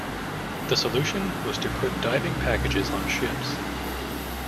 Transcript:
The solution was to put diving packages on ships.